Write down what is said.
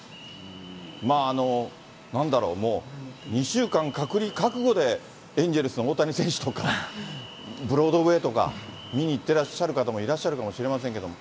まあ、なんだろう、２週間隔離覚悟で、エンジェルスの大谷選手とか、ブロードウェイとか、見にいってらっしゃる方もいらっしゃるかもしれませんけれども。